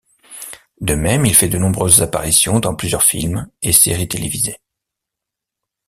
De même, il fait de nombreuses apparitions dans plusieurs films et séries télévisées.